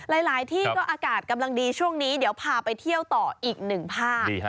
หลายที่ก็อากาศกำลังดีช่วงนี้เดี๋ยวพาไปเที่ยวต่ออีกหนึ่งภาค